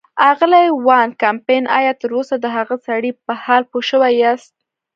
اغلې وان کمپن، ایا تراوسه د هغه سړي په حال پوه شوي یاست.